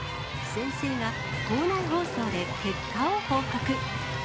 先生が校内放送で結果を報告。